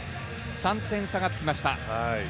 ３点差がつきました。